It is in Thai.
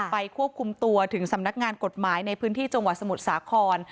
ควบคุมตัวถึงสำนักงานกฎหมายในพื้นที่จังหวัดสมุทรสาคร